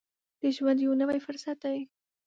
د ژوند یو نوی فرصت دی.